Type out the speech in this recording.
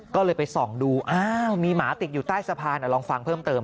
ก็เลยไปส่องดูอ้าวมีหมาติดอยู่ใต้สะพานลองฟังเพิ่มเติม